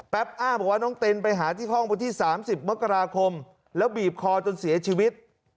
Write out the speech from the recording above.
อ้างบอกว่าน้องเต็นไปหาที่ห้องวันที่๓๐มกราคมแล้วบีบคอจนเสียชีวิต